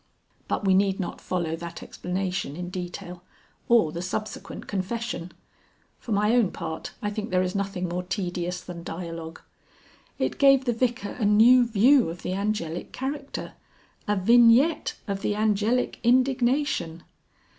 But we need not follow that explanation in detail or the subsequent confession. (For my own part I think there is nothing more tedious than dialogue). It gave the Vicar a new view of the Angelic character, a vignette of the Angelic indignation.